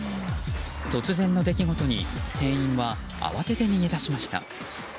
突然の出来事に店員は慌てて逃げ出しました。